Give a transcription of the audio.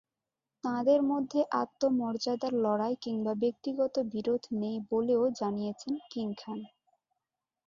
তাঁদের মধ্যে আত্মমর্যাদার লড়াই কিংবা ব্যক্তিগত বিরোধ নেই বলেও জানিয়েছেন কিং খান।